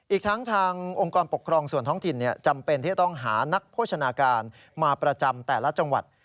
อีกทั้งทางองค์กรปกครองส่วนท้องถิ่นจำเป็นที่จะต้องหานักโภชนาการมาประจำแต่ละจังหวัด